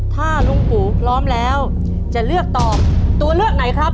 ถ้าลุงปู่พร้อมแล้วจะเลือกตอบตัวเลือกไหนครับ